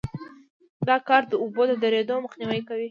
دا کار د اوبو د درېدو مخنیوی کوي